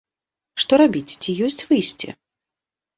Што рабіць, ці ёсць выйсце?